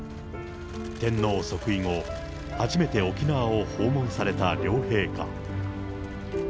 天皇即位後、初めて沖縄を訪問された両陛下。